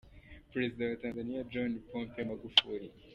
Perezida wa Tanzaniya John Pombe Magufuli.